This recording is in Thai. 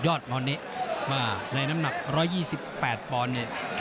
ยอดบอลนี้มาในน้ำหนัก๑๒๘บอลเนี่ย